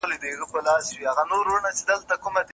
پر توپانو دي مېنه آباده